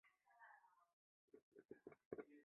戒名是政秀寺殿功庵宗忠大居士。